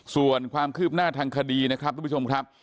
ส่วนความคืบหน้าทางคดีนะครับทุกผู้ชมครับ